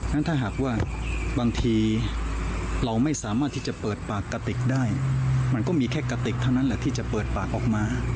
ฉะหากว่าบางทีเราไม่สามารถที่จะเปิดปากกระติกได้มันก็มีแค่กระติกเท่านั้นแหละที่จะเปิดปากออกมา